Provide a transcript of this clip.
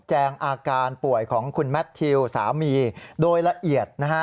อาการป่วยของคุณแมททิวสามีโดยละเอียดนะฮะ